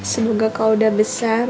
semoga kau udah besar